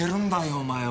お前は。